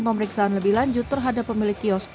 pemeriksaan lebih lanjut terhadap pemilik kios